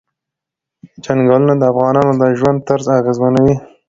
چنګلونه د افغانانو د ژوند طرز اغېزمنوي.